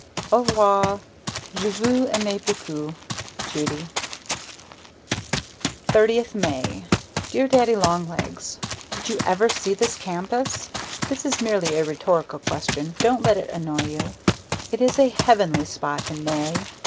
Au revoir, je vous aime beaucoup. Judy 30th May Dear Daddy Long Legs, Did you ever see this campus? (That is merely a rhetorical question. Don't let it annoy you.) It is a heavenly spot in May.